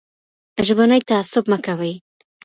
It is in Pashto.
ژبني تعصب مه کوئ.